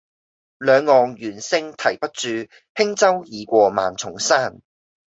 兩岸猿聲啼不住，輕舟已過萬重山。